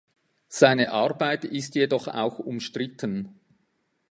Seine Arbeit ist jedoch auch umstritten.